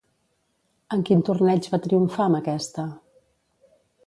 En quin torneig va triomfar amb aquesta?